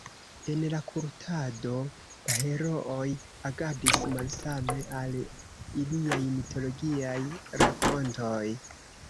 En la kultado, la herooj agadis malsame al iliaj mitologiaj rakontoj.